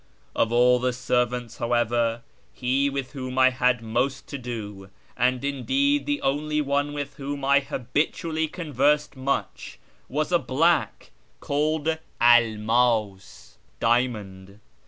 Of all the servants, however, he with whom I had most to do, and indeed the only one with whom I habitually conversed much, was a black called Elmas (" Diamond